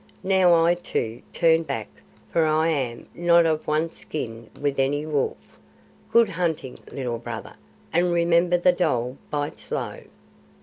Now I, too, turn back, for I am not of one skin with any wolf. Good hunting, Little Brother, and remember the dhole bites low."